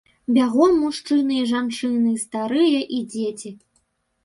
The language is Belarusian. Бягом мужчыны і жанчыны, старыя і дзеці.